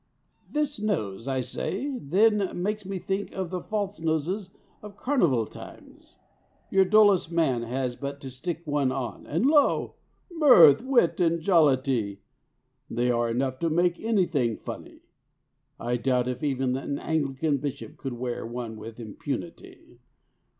"This nose, I say then, makes me think of the false noses of Carnival times. Your dullest man has but to stick one on, and lo! mirth, wit, and jollity. They are enough to make anything funny. I doubt if even an Anglican bishop could wear one with impunity.